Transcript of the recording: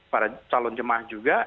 para calon jemaah juga